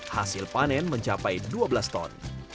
hasil panen mencapai dua belas ton